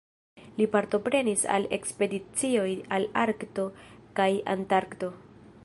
Li partoprenis al ekspedicioj al Arkto kaj Antarkto.